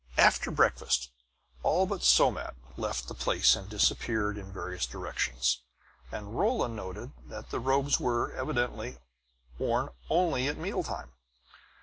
After breakfast all but Somat left the place and disappeared in various directions; and Rolla noted that the robes were, evidently, worn only at meal time.